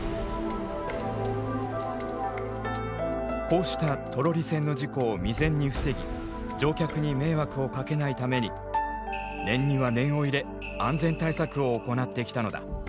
こうしたトロリ線の事故を未然に防ぎ乗客に迷惑をかけないために念には念を入れ安全対策を行ってきたのだ。